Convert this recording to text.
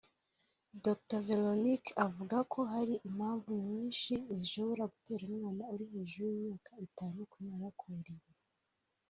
Dr Véronique avuga ko hari impamvu nyinshi zishobora gutera umwana uri hejuru y’imyaka itanu kunyara ku buriri